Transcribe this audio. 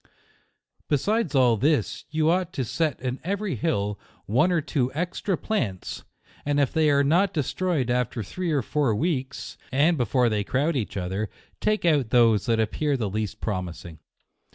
Be sides all this, you ought so set in every hill, one or two extra plants, and if they are not destroyed after three or four weeks, and be 130 JUNE. fore they crowd each other, take out those that appear the least promising.